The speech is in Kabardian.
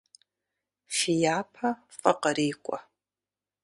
Фи япэ фӏы кърикӏуэ.